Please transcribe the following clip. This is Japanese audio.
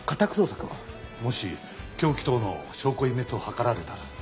もし凶器等の証拠隠滅を図られたら。